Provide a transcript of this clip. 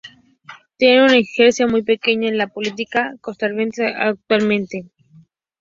Tiene una injerencia muy pequeña en la política costarricense actualmente.